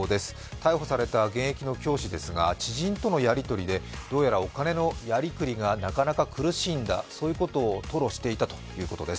逮捕された現役の教師ですが知人とのやりとりで、どうやらお金のやりくりが苦しいんだと吐露していたということです。